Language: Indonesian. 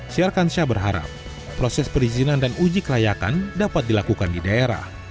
siarkansyah berharap proses perizinan dan uji kelayakan dapat dilakukan di daerah